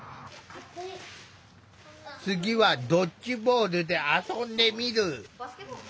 次はドッジボールで遊んでみる。